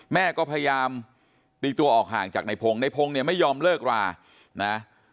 แม่ก็พยายามตีตัวออกห่างจากในพงศ์ในพงศ์เนี่ยไม่ยอมเลิกรานะ